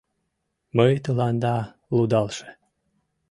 Мый тыланда, лудалше